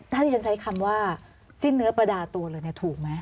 ถ้าจะใช้คำว่าสิ้นเนื้อประดาตัวเหลือเนี่ยถูกมั้ย